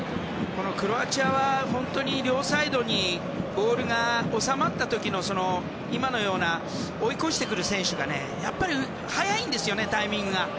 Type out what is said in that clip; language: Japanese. クロアチアは両サイドにボールが収まった時の今のような追い越してくる選手が早いんですよねタイミングが。